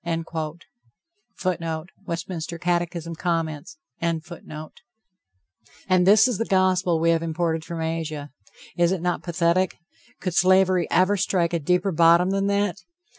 [Footnote: Westminster Catechism, Comments.] And this is the Gospel we have imported from Asia! Is it not pathetic? Could slavery ever strike a deeper bottom than that?